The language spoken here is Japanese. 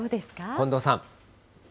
近藤さん。